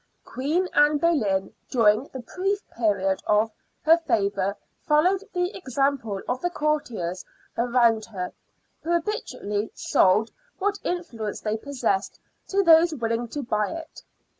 Queen Anne Boleyn, during the brief period of her favour, followed the example of the courtiers around her, who habitually sold what influence they possessed to those willing to buy it.